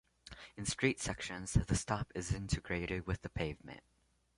In street sections, the stop is integrated with the pavement.